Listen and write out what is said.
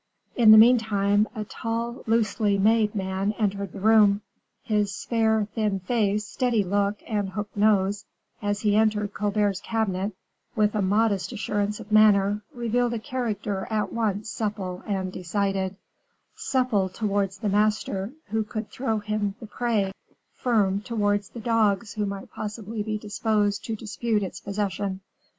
In the meantime, a tall, loosely made man entered the room; his spare, thin face, steady look, and hooked nose, as he entered Colbert's cabinet, with a modest assurance of manner, revealed a character at once supple and decided, supple towards the master who could throw him the prey, firm towards the dogs who might possibly be disposed to dispute its possession.